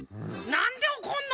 なんでおこんの？